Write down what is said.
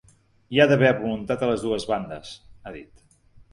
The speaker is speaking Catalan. Hi ha d’haver voluntat a les dues bandes, ha dit.